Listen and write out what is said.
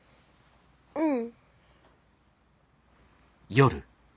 うん。